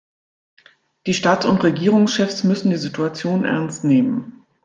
Die Staats- und Regierungschefs müssen die Situation ernst nehmen.